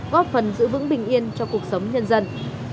góp phần giữ vững bình yên cho cuộc sống nhân dân